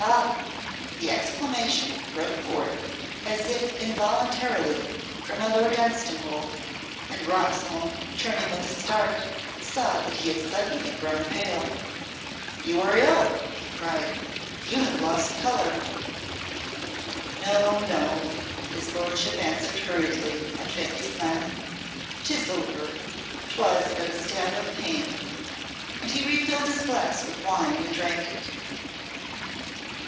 "Ah!" the exclamation broke forth as if involuntarily from my Lord Dunstanwolde, and Roxholm, turning with a start, saw that he had suddenly grown pale. "You are ill!" he cried. "You have lost colour!" "No! No!" his lordship answered hurriedly, and faintly smiling. "'Tis over! 'Twas but a stab of pain." And he refilled his glass with wine and drank it.